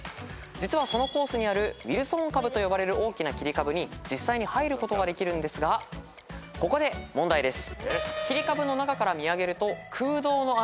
実はそのコースにあるウィルソン株と呼ばれる大きな切り株に実際に入ることができるんですがここで問題です。